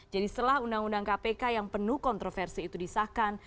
jadi setelah undang undang kpk yang penuh kontroversi itu disahkan